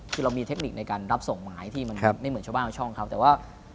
คือเรามีเทคนิคในการรับส่งหมายที่มันไม่เหมือนชาวบ้านชาวช่องเขาแต่ว่า